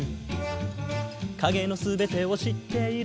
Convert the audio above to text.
「影の全てを知っている」